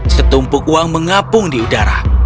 setumpuk uang mengapung di udara